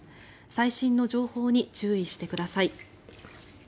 最新の情報に注意してください。